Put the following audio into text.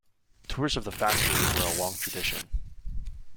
Tours of the factory were a long tradition.